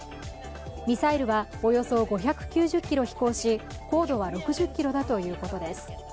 ミサイルはおよそ５９０ｋｍ飛行し高度は６０ｋｍだということです。